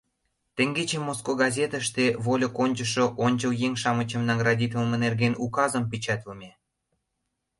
Теҥгече Моско газетыште вольык ончышо ончыл еҥ-шамычым наградитлыме нерген Указым печатлыме.